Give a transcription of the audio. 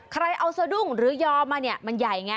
ใครเอาสะดุ้งหรือยอมาเนี่ยมันใหญ่ไง